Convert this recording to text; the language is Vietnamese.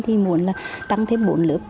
thì muốn tăng thêm bốn lớp